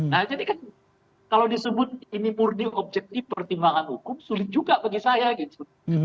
nah jadi kan kalau disebut ini murni objektif pertimbangan hukum sulit juga bagi saya gitu